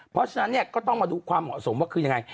เพราะฉะนั้นเนี่ยก็ต้องมาดูความเหมาะสมว่าคือยังไง